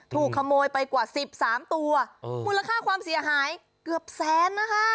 ถูกขโมยไปกว่าสิบสามตัวมูลค่าความเสียหายเกือบแสนนะคะ